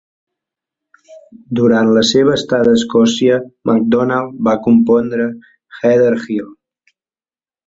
Durant la seva estada a Escòcia, MacDonald va compondre "Heather Hill".